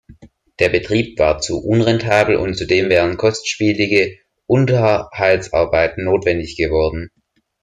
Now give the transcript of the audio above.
Der Betrieb war zu unrentabel und zudem wären kostspielige Unterhaltsarbeiten notwendig geworden.